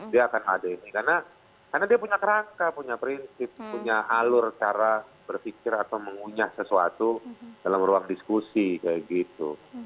dia akan ada ini karena dia punya kerangka punya prinsip punya alur cara berpikir atau mengunyah sesuatu dalam ruang diskusi kayak gitu